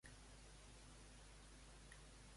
Què més engloba aquesta fe?